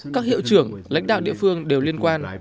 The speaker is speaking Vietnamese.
các hiệu trưởng lãnh đạo địa phương đều liên quan